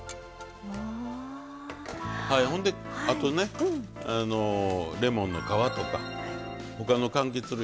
ほんであとねレモンの皮とか他のかんきつ類